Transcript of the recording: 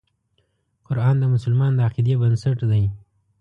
قرآن د مسلمان د عقیدې بنسټ دی.